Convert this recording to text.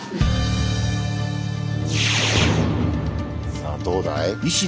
さあどうだい？